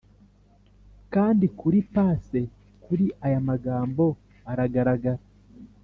kandi kuri pase kuri aya magambo aragaragara: